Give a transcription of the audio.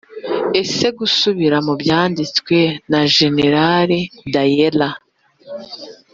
ese gusubira mu byanditswe na jenerali dallaire